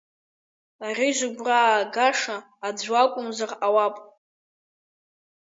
Ари зыгәра аагаша аӡә лакәымзар ҟалап.